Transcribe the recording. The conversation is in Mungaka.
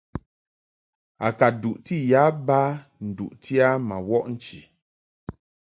A ka duʼti ya ba nduʼti a ma wɔʼ nchi.